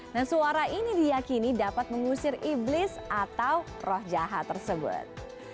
nah suara ini diyakini dapat mengusir iblis atau roh jahat tersebut